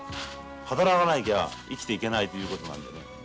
働かなきゃ生きていけないということなんでね。